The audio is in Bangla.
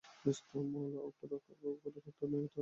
মাওলা অর্থ রক্ষক, কর্তা, নেতা বা অভিভাবক।